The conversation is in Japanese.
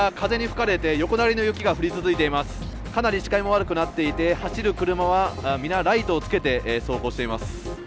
かなり視界も悪くなっていて走る車は皆、ライトをつけて走行しています。